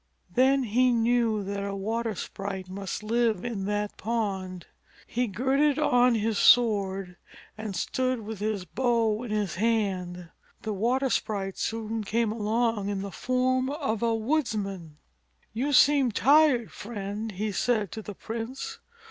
Then he knew that a water sprite must live in that pond. He girded on his sword, and stood with his bow in his hand. The water sprite soon came along in the form of a woodsman. "You seem tired, Friend," he said to the prince.